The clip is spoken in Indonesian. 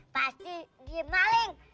pasti dia maling